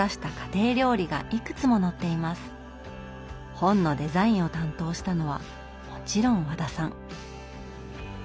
本のデザインを担当したのはもちろん和田さん。